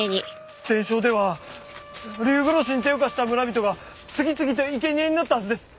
伝承では竜殺しに手を貸した村人が次々と生け贄になったはずです。